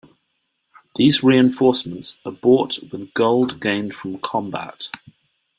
These reinforcements are bought with gold gained from combat.